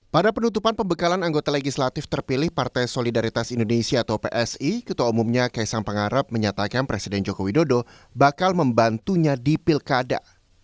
pada penutupan pembekalan anggota legislatif terpilih partai solidaritas indonesia atau psi ketua umumnya kaisang pengarap menyatakan presiden joko widodo bakal membantunya di pilkada